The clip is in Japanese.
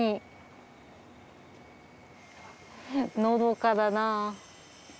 のどかだな。